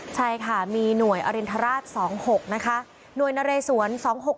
ใช่ค่ะมีหน่วยอรินทราช๒๖นะคะหน่วยนเรสวน๒๖๖